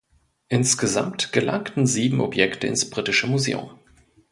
Insgesamt gelangten sieben Objekte ins Britische Museum.